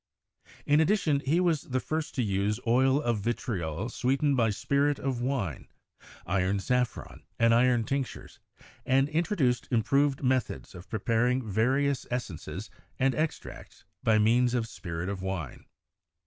In addition, he was the first to use oil of vitriol sweet ened by spirit of wine, iron saffron and iron tinctures; and introduced improved methods of preparing various es sences and extracts by means of spirit of wine.